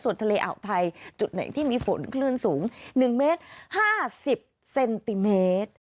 ส่วนทะเลอ่าวไทยจุดไหนที่มีฝนคลื่นสูง๑เมตร๕๐เซนติเมตร